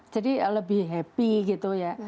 jadi lebih happy gitu ya